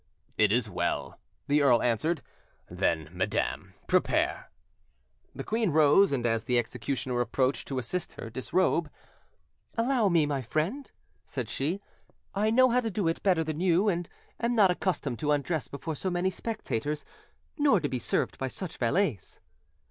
"It is well," the earl answered; "then, madam, prepare." The queen rose, and as the executioner approached to assist her disrobe— "Allow me, my friend," said she; "I know how to do it better than you, and am not accustomed to undress before so many spectators, nor to be served by such valets."